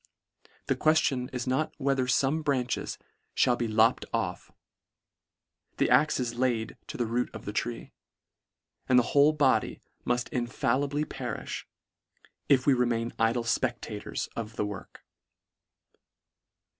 The queftion is not whether fome branches mall be lopt off — The ax is laid to the root of the tree ; and the whole body mull infallibly perifh, if we remain idle fpectators of the work.